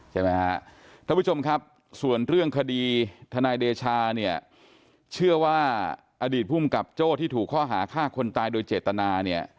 ท่านผู้ชมครับส่วนเรื่องคดีทนายเดชาเชื่อว่าอดีตภูมิกับโจ้ที่ถูกข้อหาฆ่าคนตายโดยเจตนา